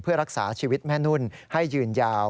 เพื่อรักษาชีวิตแม่นุ่นให้ยืนยาว